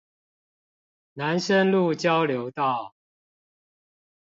南深路交流道